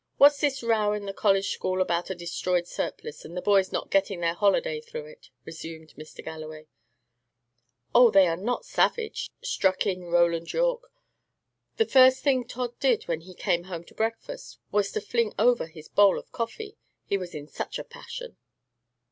"What's this row in the college school about a destroyed surplice, and the boys not getting their holiday through it?" resumed Mr. Galloway. "Oh, are they not savage!" struck in Roland Yorke. "The first thing Tod did, when he came home to breakfast, was to fling over his bowl of coffee, he was in such a passion.